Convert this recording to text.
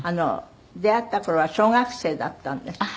出会った頃は小学生だったんですって？